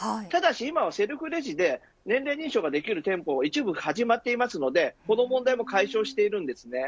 ただし今は、セルフレジで年齢認証ができる店舗も一部始まっていますのでこの問題も解消しています。